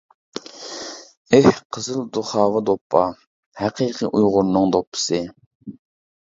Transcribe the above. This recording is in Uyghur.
ئېھ قىزىل دۇخاۋا دوپپا! ھەقىقىي ئۇيغۇرنىڭ دوپپىسى!